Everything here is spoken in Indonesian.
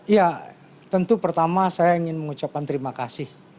ya tentu pertama saya ingin mengucapkan terima kasih